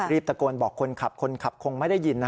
ตะโกนบอกคนขับคนขับคงไม่ได้ยิน